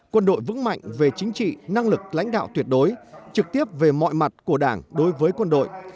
quân đội vững mạnh về chính trị năng lực lãnh đạo tuyệt đối trực tiếp về mọi mặt của đảng đối với quân đội